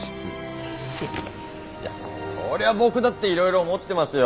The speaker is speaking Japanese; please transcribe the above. いやそりゃ僕だっていろいろ思ってますよ。